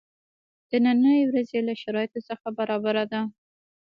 د نني ورځی له شرایطو سره برابره ده.